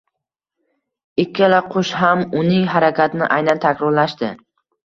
Ikkala qush ham uning harakatini aynan takrorlashdi